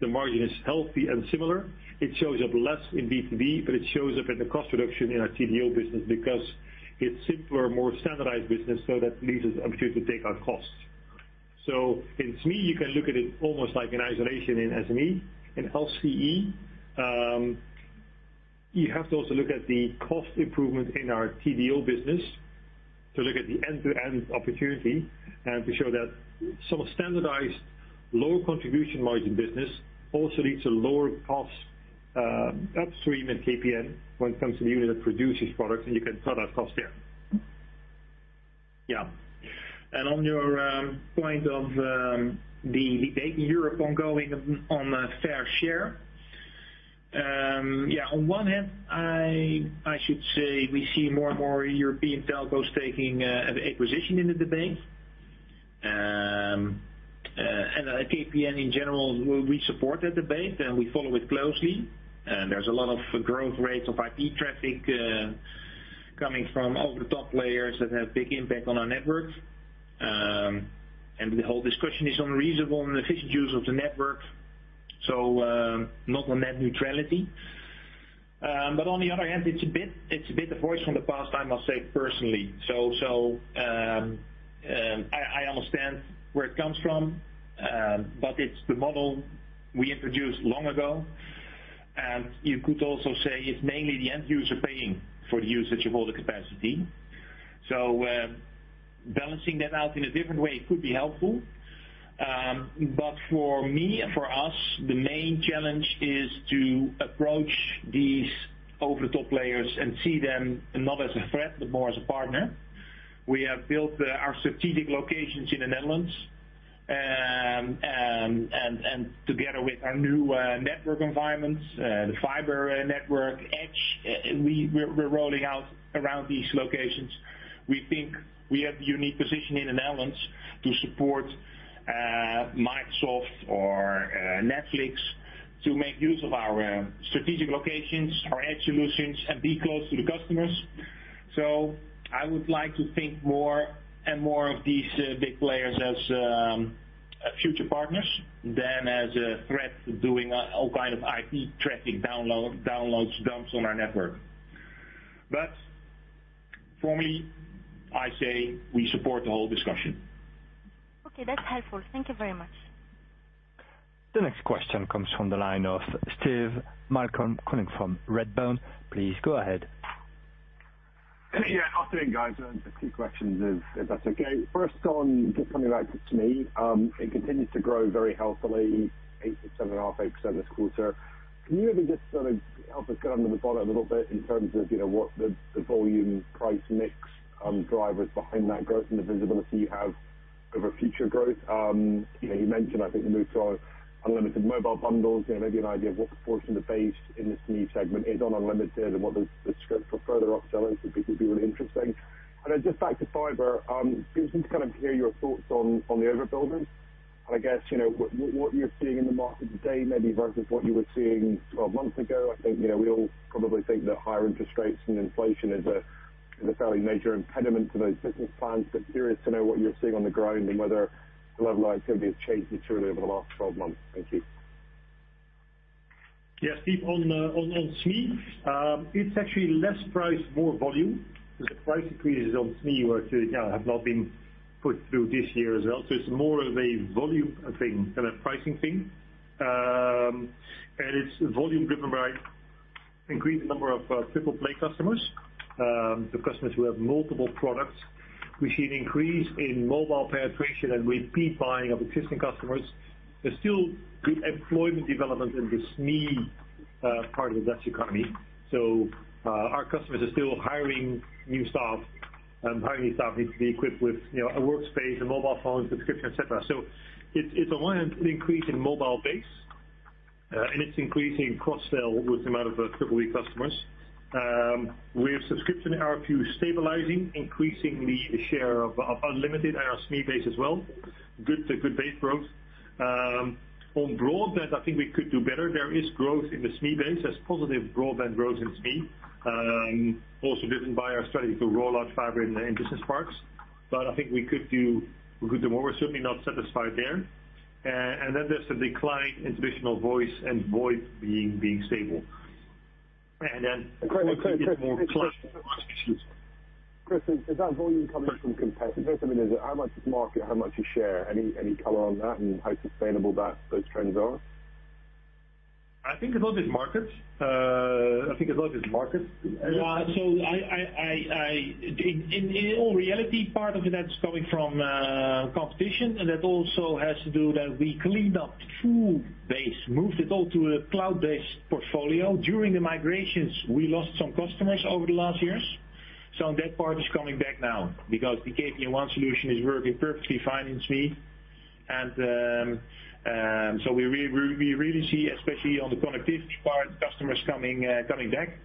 the margin is healthy and similar. It shows up less in B2B, but it shows up in the cost reduction in our TDO business because it's simpler, more standardized business so that leaves us opportunity to take out costs. In SME, you can look at it almost like an isolation in SME. In LCE, you have to also look at the cost improvement in our TDO business to look at the end-to-end opportunity and to show that some standardized lower contribution margin business also leads to lower costs upstream in KPN when it comes to the unit that produces products and you can cut out costs there. Yeah. On your point of the Europe ongoing on fair share. Yeah, on one hand, I should say we see more and more European telcos taking an acquisition in the debate. At KPN in general, we support that debate, and we follow it closely. There's a lot of growth rates of IP traffic coming from over the top layers that have big impact on our network. The whole discussion is on reasonable and efficient use of the network. Not on net neutrality. On the other hand, it's a bit of voice from the past, I must say personally. I understand where it comes from. It's the model we introduced long ago. You could also say it's mainly the end user paying for the usage of all the capacity. Balancing that out in a different way could be helpful. For me and for us, the main challenge is to approach these over the top layers and see them not as a threat, but more as a partner. We have built our strategic locations in the Netherlands, and together with our new network environments, the fiber network edge, we're rolling out around these locations. We think we have unique position in the Netherlands to support Microsoft or Netflix to make use of our strategic locations, our edge solutions, and be close to the customers. I would like to think more and more of these big players as future partners than as a threat doing all kind of IP traffic download, downloads dumps on our network. For me, I say we support the whole discussion. Okay, that's helpful. Thank you very much. The next question comes from the line of Steve Malcolm calling from Redburn. Please go ahead. Yeah, afternoon, guys. Just a few questions if that's okay. First on just coming back to SME. It continues to grow very healthily, 7.5% to 8% this quarter. Can you maybe just sort of help us get under the bonnet a little bit in terms of, you know, what the volume price mix, drivers behind that growth and the visibility you have over future growth? You know, you mentioned, I think the move to our unlimited mobile bundles, you know, maybe an idea of what the force in the base in the SME segment is on unlimited and what the script for further upselling for people would be really interesting. Then just back to fiber, just kind of hear your thoughts on the overbuilding. I guess, you know, what you're seeing in the market today, maybe versus what you were seeing 12 months ago. I think, you know, we all probably think that higher interest rates and inflation is a fairly major impediment to those business plans. Curious to know what you're seeing on the ground and whether the level of activity has changed materially over the last 12 months. Thank you. Yeah, Steve, on SME, it's actually less price, more volume. The price increases on SME were to, you know, have not been put through this year as well. It's more of a volume thing than a pricing thing. It's volume driven by increased number of triple play customers, the customers who have multiple products. We see an increase in mobile penetration and repeat buying of existing customers. There's still the employment development in the SME part of the Dutch economy. Our customers are still hiring new staff and hiring new staff need to be equipped with, you know, a workspace, a mobile phone subscription, et cetera. It's aligned with increase in mobile base and it's increasing cross sell with the amount of triple-play customers. We have subscription ARPU stabilizing, increasingly a share of unlimited in our SME base as well. Good, so good base growth. On broadband, I think we could do better. There is growth in the SME base. There's positive broadband growth in SME, also driven by our strategy to roll out fiber in business parks. I think we could do more. We're certainly not satisfied there. Then there's the decline in traditional voice and void being stable. Then I think it's more cloud. Chris, is that volume coming from competitive? I mean, how much is market, how much is share? Any color on that and how sustainable those trends are? I think a lot is market. I, in all reality, part of that's coming from competition, that also has to do that we cleaned up full base, moved it all to a cloud-based portfolio. During the migrations, we lost some customers over the last years. That part is coming back now because the KPN EEN solution is working perfectly fine in SME. We really see, especially on the connectivity part, customers coming back.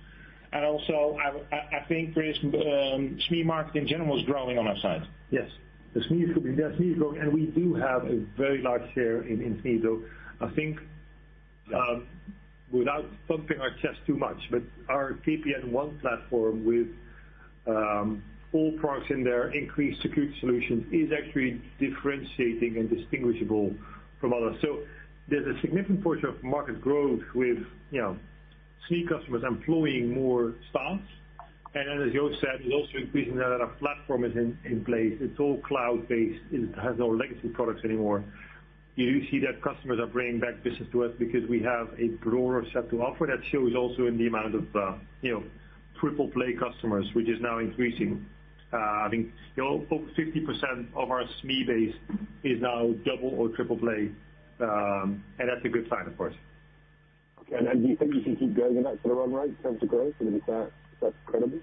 Also I think Chris, SME market in general is growing on our side. Yes. The SME is growing, We do have a very large share in SME though. I think, without pumping our chest too much, but our KPN one platform with all products in there, increased security solutions is actually differentiating and distinguishable from others. There's a significant portion of market growth with, you know, SME customers employing more staffs. As Joost said, it's also increasing that our platform is in place. It's all cloud-based. It has no legacy products anymore. You do see that customers are bringing back business to us because we have a broader set to offer that shows also in the amount of, you know, triple play customers, which is now increasing. I think, you know, over 50% of our SME base is now double or triple play. That's a good sign of course. Okay. Do you think you can keep growing at sort of run rate in terms of growth? I mean, is that's credible?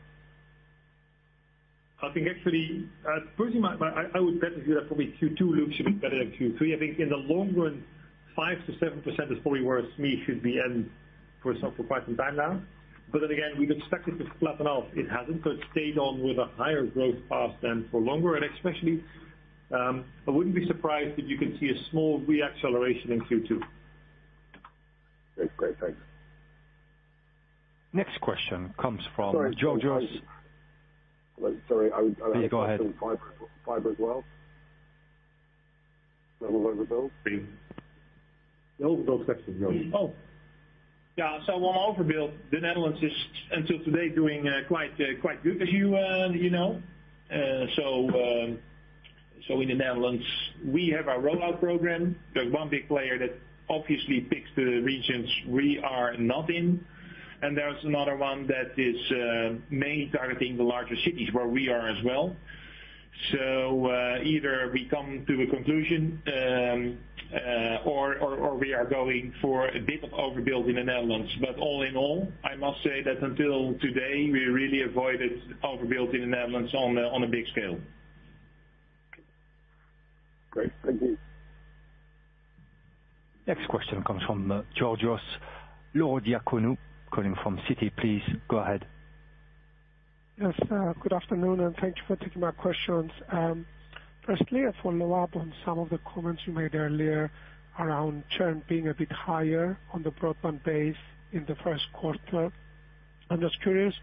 I think actually, personally, I would better do that probably Q2 looks a bit better than Q3. I think in the long run, 5% to 7% is probably where SME should be end for some, for quite some time now. Again, we've expected to flatten off. It hasn't, so it stayed on with a higher growth path than for longer. Especially, I wouldn't be surprised if you can see a small re-acceleration in Q2. Great. Great. Thanks. Next question comes from Georgios. Sorry. Please go ahead. Fiber as well. Level overbuild. The overbuild section, Joost. Oh, yeah. On overbuild, the Netherlands is until today doing quite good as you know. In the Netherlands we have our rollout program. There's one big player that obviously picks the regions we are not in, and there's another one that is mainly targeting the larger cities where we are as well. Either we come to a conclusion, or we are going for a bit of overbuild in the Netherlands. All in all, I must say that until today we really avoided overbuild in the Netherlands on a big scale. Great. Thank you. Next question comes from Georgios Ierodiaconou, calling from Citi. Please go ahead. Yes, good afternoon, and thank you for taking my questions. Firstly, a follow-up on some of the comments you made earlier around churn being a bit higher on the broadband base in the first quarter. I'm just curious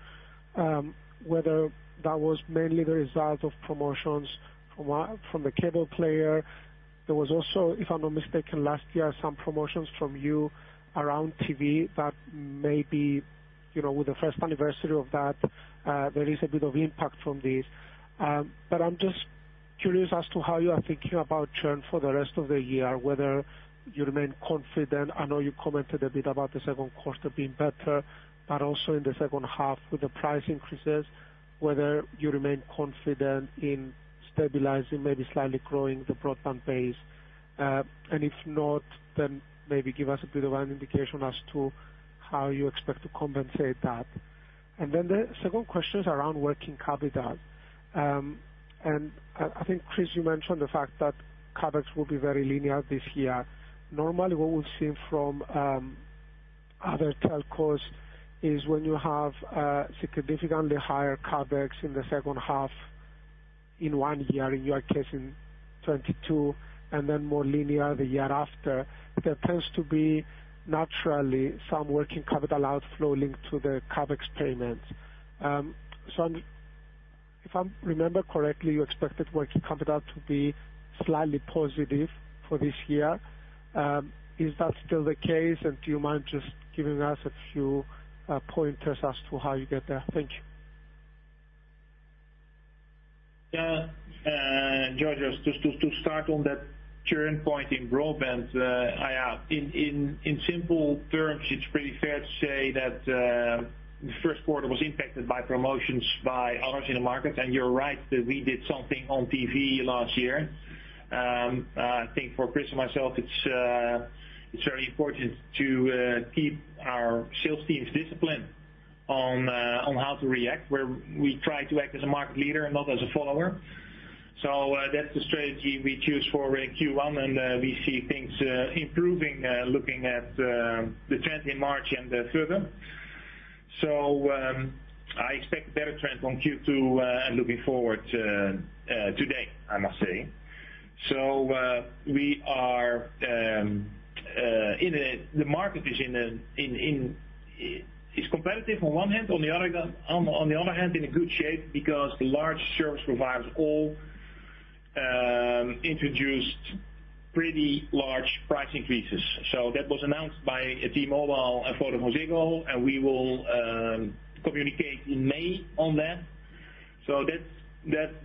whether that was mainly the result of promotions from the cable player. There was also, if I'm not mistaken, last year, some promotions from you around TV that maybe, you know, with the first anniversary of that, there is a bit of impact from this. I'm just curious as to how you are thinking about churn for the rest of the year, whether you remain confident. I know you commented a bit about the second quarter being better, but also in the second half with the price increases, whether you remain confident in stabilizing, maybe slightly growing the broadband base. If not, then maybe give us a bit of an indication as to how you expect to compensate that. The second question is around working capital. I think, Chris, you mentioned the fact that CapEx will be very linear this year. Normally, what we've seen from other telcos is when you have significantly higher CapEx in the second half in one year, in your case in 22, and then more linear the year after. There tends to be naturally some working capital outflow linked to the CapEx payments. So if I remember correctly, you expected working capital to be slightly positive for this year. Is that still the case? Do you mind just giving us a few pointers as to how you get there? Thank you. Yeah. Georgios, just to start on that churn point in broadband. In simple terms, it's pretty fair to say that the first quarter was impacted by promotions by others in the market. You're right that we did something on TV last year. I think for Chris and myself, it's very important to keep our sales teams disciplined on how to react, where we try to act as a market leader and not as a follower. That's the strategy we choose for Q1, we see things improving looking at the trend in March and further. I expect better trends on Q2, looking forward to today, I must say. The market is in a, in, it's competitive on one hand, on the other hand, in a good shape because the large service providers all introduced pretty large price increases. That was announced by T-Mobile and VodafoneZiggo, and we will communicate in May on that.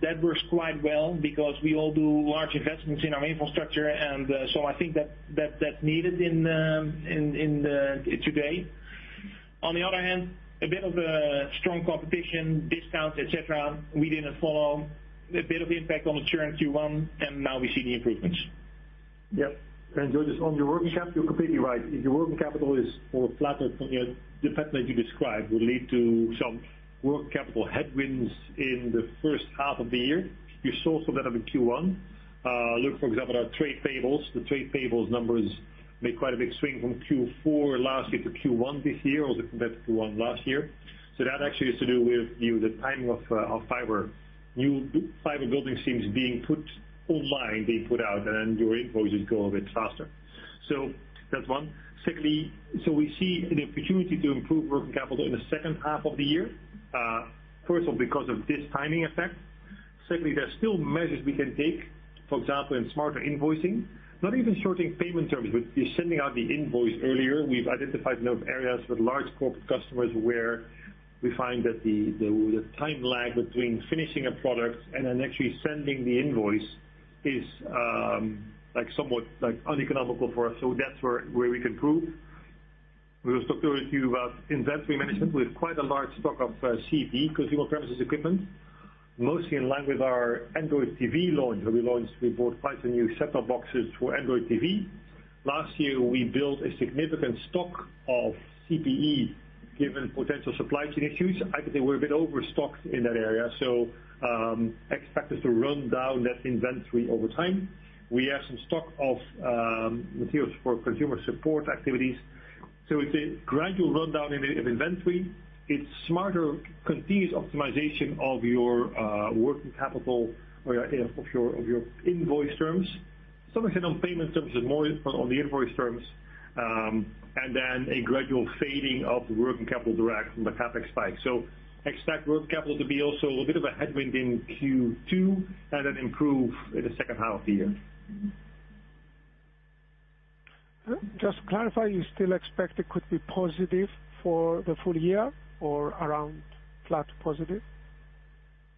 That works quite well because we all do large investments in our infrastructure. I think that's needed in today. On the other hand, a bit of a strong competition, discounts, et cetera, we didn't follow. A bit of impact on the churn Q1, and now we see the improvements. Yeah. Georgios, on your working cap, you're completely right. If your working capital is more flatter from the pattern that you described, will lead to some working capital headwinds in the first half of the year. You saw some of that in Q1. Look, for example, our trade payables. The trade payables numbers made quite a big swing from Q4 last year to Q1 this year, or compared to Q1 last year. That actually has to do with the timing of fiber. New fiber building seems being put online, being put out, and your invoices go a bit faster. That's one. Secondly, we see an opportunity to improve working capital in the second half of the year. First of all, because of this timing effect. Secondly, there are still measures we can take, for example, in smarter invoicing, not even shorting payment terms, but just sending out the invoice earlier. We've identified areas with large corporate customers where we find that the time lag between finishing a product and then actually sending the invoice is somewhat uneconomical for us. That's where we can improve. We also talked to you about inventory management. We have quite a large stock of CPE, customer premises equipment, mostly in line with our Android TV launch. When we launched, we bought quite a new set of boxes for Android TV. Last year, we built a significant stock of CPE given potential supply chain issues. I think we're a bit overstocked in that area. Expect us to run down that inventory over time. We have some stock of materials for consumer support activities. It's a gradual rundown in inventory. It's smarter, continuous optimization of your working capital or of your invoice terms. Some of it on payment terms and more on the invoice terms, and then a gradual fading of working capital drag from the CapEx spike. Expect working capital to be also a little bit of a headwind in Q2 and then improve in the second half of the year. Just to clarify, you still expect it could be positive for the full year or around flat positive?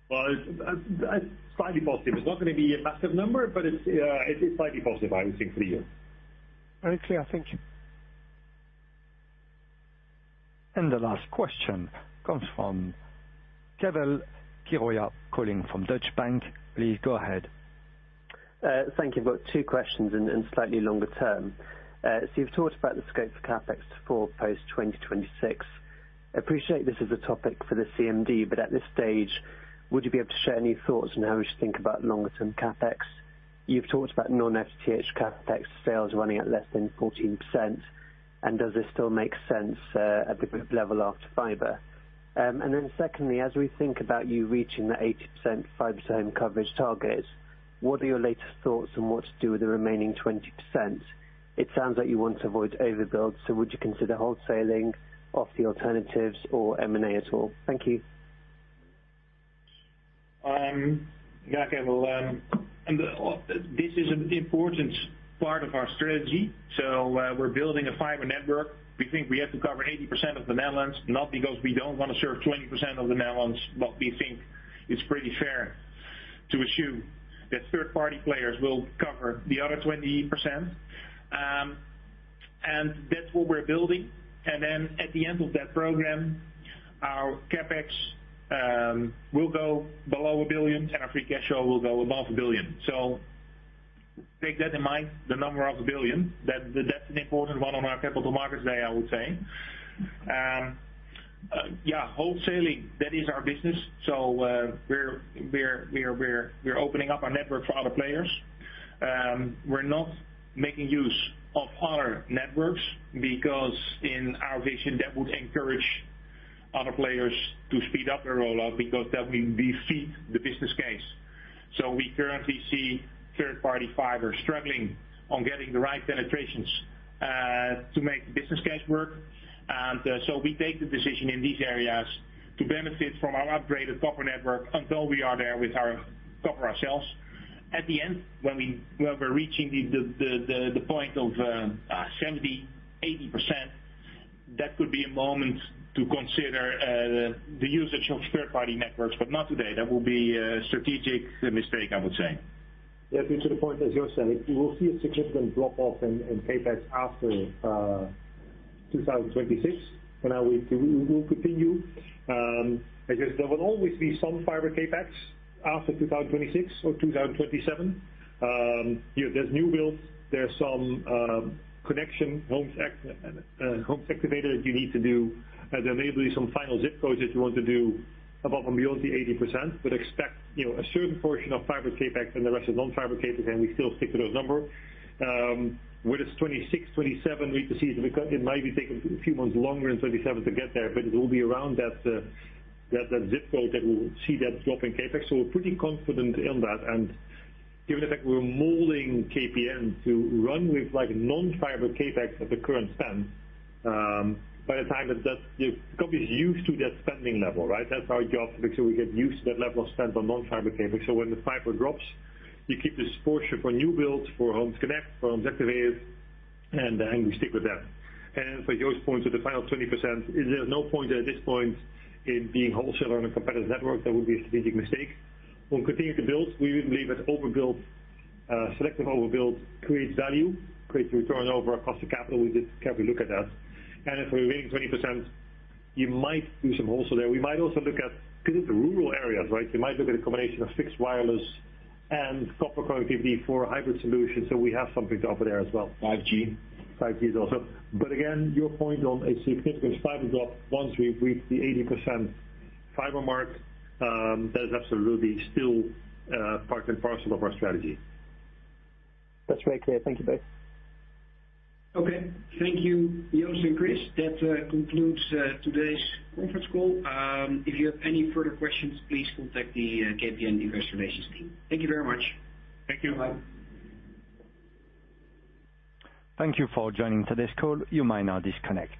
It's slightly positive. It's not going to be a massive number, but it's slightly positive, I would think for you. Very clear. Thank you. The last question comes from Keval Khiroya calling from Deutsche Bank. Please go ahead. Thank you. I've got two questions in slightly longer term. You've talked about the scope for CapEx for post-2026. I appreciate this is a topic for the CMD, but at this stage, would you be able to share any thoughts on how we should think about longer-term CapEx? You've talked about non-FTTH CapEx sales running at less than 14%. Does this still make sense at the level after fiber? Secondly, as we think about you reaching the 80% fiber home coverage targets, what are your latest thoughts on what to do with the remaining 20%? It sounds like you want to avoid overbuild, so would you consider wholesaling off the alternatives or M&A at all? Thank you. Yeah, Keval. This is an important part of our strategy. We're building a fiber network. We think we have to cover 80% of the Netherlands, not because we don't want to serve 20% of the Netherlands, but we think it's pretty fair to assume that third-party players will cover the other 20%. That's what we're building. At the end of that program, our CapEx will go below 1 billion, and our free cash flow will go above 1 billion. Take that in mind, the number of 1 billion. That's an important one on our Capital Markets Day, I would say. Yeah, wholesaling, that is our business. We're opening up our network for other players. We're not making use of other networks because in our vision, that would encourage other players to speed up their rollout because that will defeat the business case. We currently see third-party fiber struggling on getting the right penetrations to make the business case work. We take the decision in these areas to benefit from our upgraded copper network until we are there with our copper ourselves. At the end, when we're reaching the point of 70%-80%, that could be a moment to consider the usage of third-party networks, but not today. That would be a strategic mistake, I would say. Yeah, to the point, as Joost said, you will see a significant drop-off in CapEx after 2026. For now, we will continue. I guess there will always be some fiber CapEx after 2026 or 2027. You know, there's new builds, there's some connection, homes activated you need to do. There may be some final zip codes that you want to do above and beyond the 80%. Expect, you know, a certain portion of fiber CapEx and the rest is non-fiber CapEx, and we still stick to those number. Whether it's 26, 27, we need to see. It might be taking a few months longer in 27 to get there, but it will be around that zip code that we'll see that drop in CapEx. We're pretty confident in that. Given the fact we're molding KPN to run with, like, non-fiber CapEx at the current spend, by the time the company's used to that spending level, right? That's our job to make sure we get used to that level of spend on non-fiber CapEx. When the fiber drops, you keep this portion for new builds, for homes connect, for homes activated, and we stick with that. For Joost's point to the final 20%, there's no point at this point in being wholesaler on a competitor network. That would be a strategic mistake. We'll continue to build. We believe that overbuild, selective overbuild creates value, creates return over our cost of capital. We carefully look at that. If we're waiting 20%, you might do some wholesale there. We might also look at, because it's rural areas, right? We might look at a combination of fixed wireless and copper connectivity for a hybrid solution, so we have something to offer there as well. 5G? 5G is also. Again, your point on a significant fiber drop once we've reached the 80% fiber mark, that is absolutely still part and parcel of our strategy. That's very clear. Thank you both. Okay. Thank you, Joost and Chris. That concludes today's conference call. If you have any further questions, please contact the KPN investor relations team. Thank you very much. Thank you. Bye. Thank you for joining today's call. You may now disconnect.